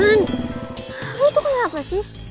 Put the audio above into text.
man lu tuh kenapa sih